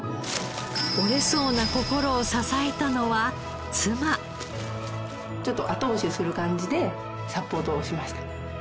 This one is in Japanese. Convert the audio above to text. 折れそうな心をちょっと後押しする感じでサポートをしました。